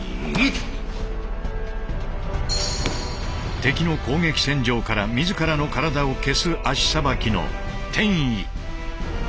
敵の攻撃線上から自らの体を消す足捌きの転位。